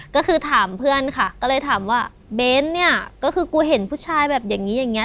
ก็คือถามเพื่อนค่ะก็เลยถามว่าเบ้นเนี่ยก็คือกูเห็นผู้ชายแบบอย่างนี้อย่างเงี้